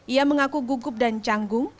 ia mengaku gugup dan canggung